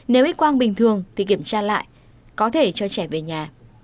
nếu ít quang bình thường thì kiểm tra lại có thể cho trẻ về nhà